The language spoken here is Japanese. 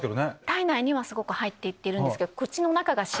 体内には入っていってるんですけど。